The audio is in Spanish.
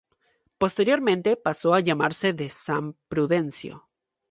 Posteriormente, pasó a llamarse de san Prudencio.